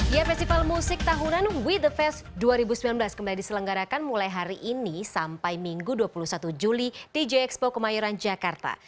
ya festival musik tahunan we the fest dua ribu sembilan belas kembali diselenggarakan mulai hari ini sampai minggu dua puluh satu juli di jxpo kemayoran jakarta